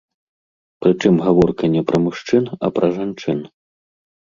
Прычым гаворка не пра мужчын, а пра жанчын.